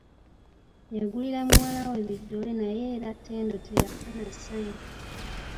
Yagulira muwala we biddole naye era Ttendo teyafuna ssayu.